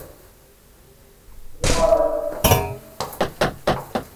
Alrededor de ella se encuentra un importante conjunto de monumentos arquitectónicos.